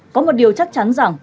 có một điều chắc chắn rằng